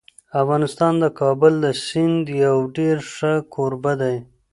افغانستان د کابل د سیند یو ډېر ښه کوربه دی.